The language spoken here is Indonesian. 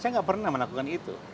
saya nggak pernah melakukan itu